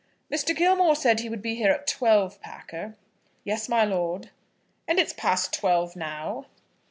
"Mr. Gilmore said he would be here at twelve, Packer?" "Yes, my lord." "And it's past twelve now?"